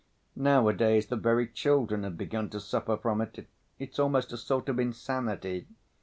Nowadays the very children have begun to suffer from it. It's almost a sort of insanity.